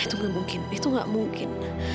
itu gak mungkin itu gak mungkin